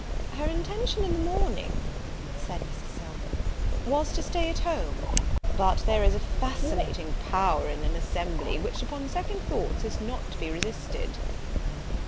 "Her intention in the morning," said Mrs. Selwyn, "was to stay at home; but there is a fascinating power in an assembly, which, upon second thoughts, is not to be resisted."